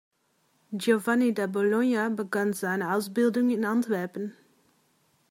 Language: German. Giovanni da Bologna begann seine Ausbildung in Antwerpen.